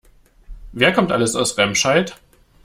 Wer kommt alles aus Remscheid?